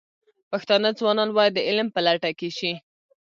پښتانه ځوانان باید د علم په لټه کې شي.